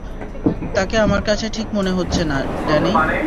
তাকে আমার কাছে ঠিক মনে হচ্ছে না, ড্যানি।